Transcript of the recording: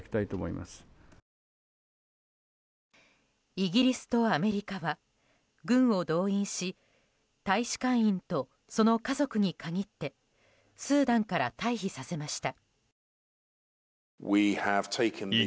イギリスとアメリカは軍を動員し大使館員とその家族に限ってスーダンから退避させました。